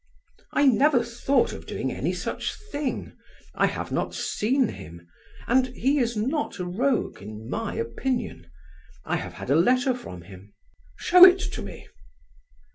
"I never thought of doing any such thing. I have not seen him, and he is not a rogue, in my opinion. I have had a letter from him." "Show it me!"